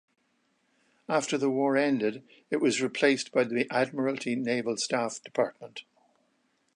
After the war ended, it was replaced by the Admiralty Naval Staff department.